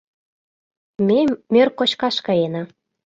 Ме мӧр кочкаш каена.